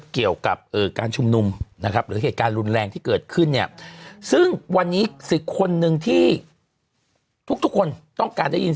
เกิดขึ้นเนี่ยซึ่งวันนี้๑๐คนนึงที่ทุกคนต้องการได้ยิน